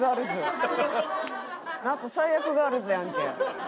夏最悪ガールズやんけ。